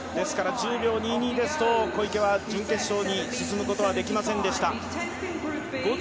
１０秒２２ですと小池は準決勝に進むことはできませんでした。